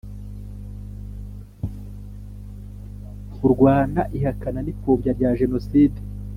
kurwanya ihakana n ipfobya rya jenocide